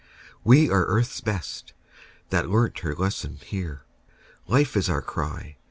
"We are Earth's best, that learnt her lesson here. Life is our cry.